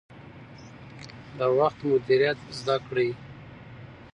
د وخت مدیریت زده کړئ.